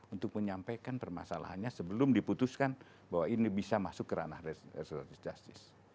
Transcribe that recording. untuk menyampaikan permasalahannya sebelum diputuskan bahwa ini bisa masuk ke ranah restoratif justice